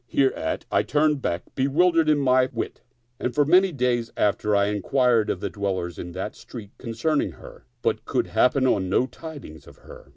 Hereat I turned back, bewildered in my wit, and for many a day after I inquired of the dwellers in that street concern ing her, but could happen on no tidings of her.